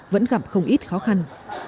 vẫn gặp không ít khó khăn